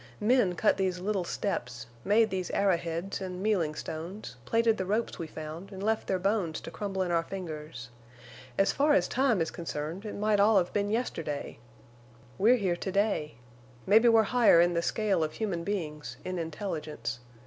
Men cut these little steps, made these arrow heads and mealing stones, plaited the ropes we found, and left their bones to crumble in our fingers. As far as time is concerned it might all have been yesterday. We're here to day. Maybe we're higher in the scale of human beings—in intelligence.